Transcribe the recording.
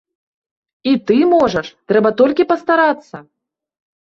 І ты можаш, трэба толькі пастарацца.